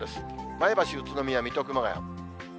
前橋、宇都宮、水戸、熊谷。